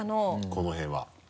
この辺は。